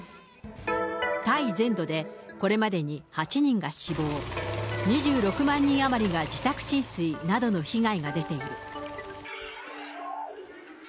タイ全土でこれまでに８人が死亡、２６万人余りが自宅浸水などの被害が出ている。